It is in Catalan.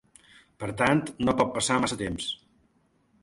Per tant, no pot passar massa temps.